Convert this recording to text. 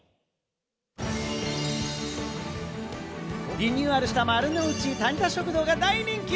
リニューアルした、丸の内タニタ食堂が大人気！